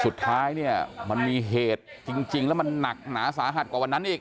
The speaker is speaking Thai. สุดท้ายเนี่ยมันมีเหตุจริงแล้วมันหนักหนาสาหัสกว่าวันนั้นอีก